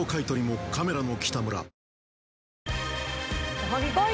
おはぎこい！